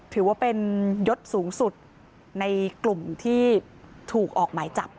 ถือว่าเป็นยศสูงสุดในกลุ่มที่ถูกออกหมายจับ